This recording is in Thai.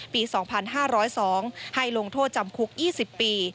๒๕๐๒ให้ลงโทษจำคุก๒๐ปี